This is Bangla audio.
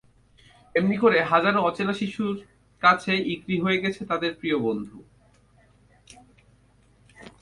এমনি করে হাজারো অচেনা শিশুর কাছে ইকরি হয়ে গেছে তাদের প্রিয় বন্ধু।